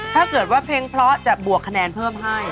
ถ้าเกิดว่าเพลงเพราะจะบวกคะแนนเพิ่มให้